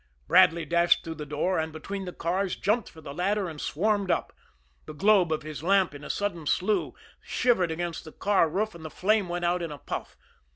Bradley dashed through the door, and, between the cars, jumped for the ladder and swarmed up the globe of his lamp in a sudden slew shivered against the car roof, and the flame went out in a puff.